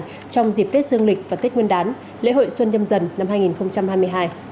trong dịp tết dương lịch và tết nguyên đán lễ hội xuân nhâm dần năm hai nghìn hai mươi hai